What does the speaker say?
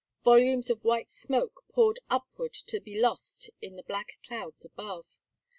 Volumes of white smoke poured upward to be lost in the black clouds above.